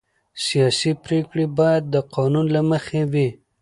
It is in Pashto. سیاسي پرېکړې باید د قانون له مخې وي